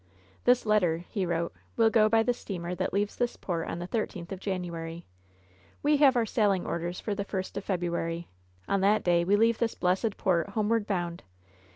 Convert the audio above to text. "This letter," he wrote, "will go by the steamer that leaves this port on the thirteenth of January. We have our sailing orders for the first of February. On that day we leave this blessed port homeward bound.